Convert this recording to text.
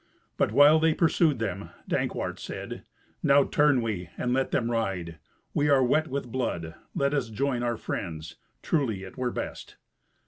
But while they pursued them, Dankwart said, "Now turn we, and let them ride. They are wet with blood. Let us join our friends. Truly it were best."